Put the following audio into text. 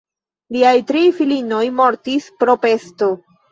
Liaj tri filinoj mortis pro pesto.